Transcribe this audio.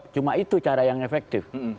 cuma itu cara yang efektif